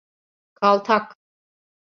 Kaltak!